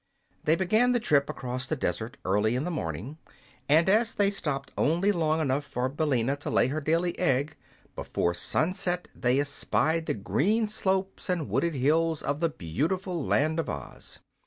They began the trip across the desert early in the morning, and as they stopped only long enough for Billina to lay her daily egg, before sunset they espied the green slopes and wooded hills of the beautiful Land of Oz.